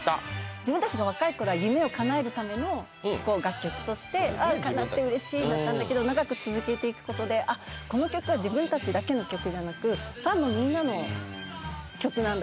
自分たちが若い頃は夢をかなえるための楽曲としてあかなってうれしいだったけど長く続けていくことであっこの曲は自分たちだけの曲じゃなくファンのみんなの曲なんだ